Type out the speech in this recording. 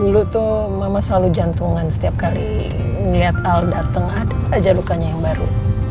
dulu tuh mama selalu jantungan setiap kali ngeliat al datang ada aja lukanya yang baru